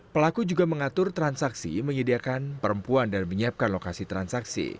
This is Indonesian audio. pelaku juga mengatur transaksi menyediakan perempuan dan menyiapkan lokasi transaksi